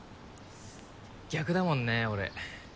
逆だもんね俺。